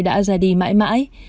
đã ra đi mãi mãi